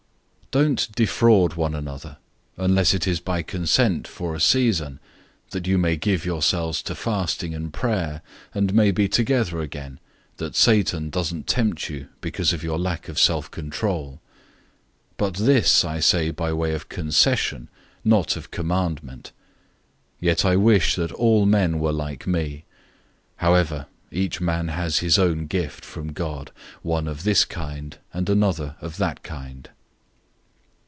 007:005 Don't deprive one another, unless it is by consent for a season, that you may give yourselves to fasting and prayer, and may be together again, that Satan doesn't tempt you because of your lack of self control. 007:006 But this I say by way of concession, not of commandment. 007:007 Yet I wish that all men were like me. However each man has his own gift from God, one of this kind, and another of that kind.